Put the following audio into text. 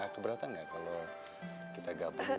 keberatan gak kalau kita gabung gitu